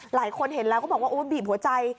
หลายคนเห็นแล้วก็บอกว่าโอ้บีบหัวใจ